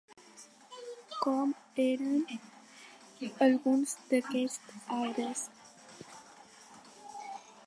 Com eren alguns d'aquests arbres?